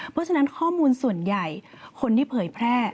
เพราะฉะนั้นข้อมูลส่วนใหญ่คนที่เผยแพร่